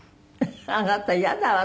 あなた嫌だわ。